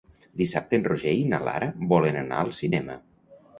Dissabte en Roger i na Lara volen anar al cinema.